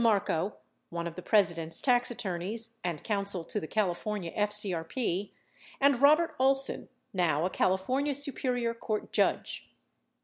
713 (one of the President's tax attorneys and counsel to the California FCRP) and Robert Olson (now a California Superior Court judge).